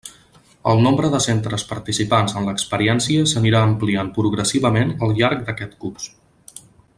El nombre de centres participants en l'experiència s'anirà ampliant progressivament al llarg d'aquest curs.